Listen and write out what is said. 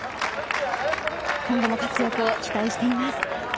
今後の活躍を期待しています。